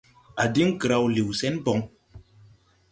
A din graw liw sen bon.